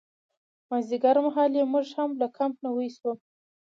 مازدیګرمهال یې موږ هم له کمپ نه ویستو.